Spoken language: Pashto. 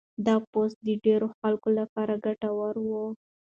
دا پوسټ د ډېرو خلکو لپاره ګټور و.